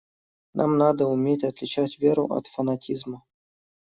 Нам надо уметь отличать веру от фанатизма.